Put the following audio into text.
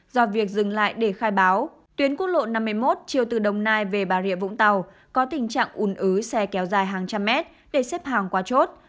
do việc dừng lại để khai báo tuyến quốc lộ năm mươi một chiều từ đồng nai về bà rịa vũng tàu có tình trạng ủn ứ xe kéo dài hàng trăm mét để xếp hàng qua chốt